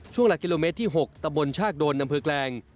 ช่วงหลักกิโลเมตรที่๖ตำบลชากโดนนำเฟือกแหลง